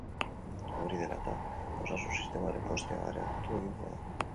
Hori dela eta, osasun-sistemaren kostea areagotu egingo da.